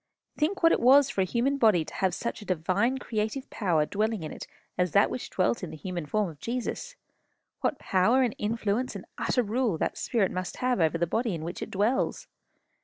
Think what it was for a human body to have such a divine creative power dwelling in it as that which dwelt in the human form of Jesus! What power, and influence, and utter rule that spirit must have over the body in which it dwells!